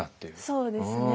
そうですね。